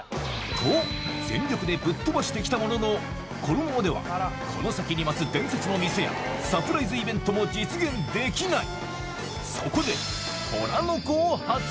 と全力でぶっ飛ばしてきたもののこのままではこの先に待つ伝説の店やサプライズイベントも実現できない